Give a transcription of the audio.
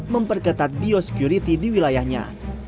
memperketat biosecurity di wilayahnya